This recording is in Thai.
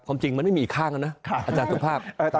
จริงมันไม่มีอีกข้างแล้วนะอาจารย์สุภาพ